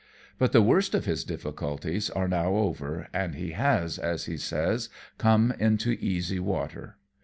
But the worst of his difficulties are now over, and he has, as he says, come into easy water.